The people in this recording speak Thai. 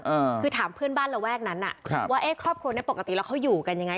ถามดูบ้างคือถามเพื่อนบ้านระแวกนั้นว่าครอบครัวปกติแล้วเขาอยู่กันยังไง